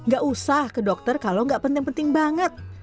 gak usah ke dokter kalau gak penting penting banget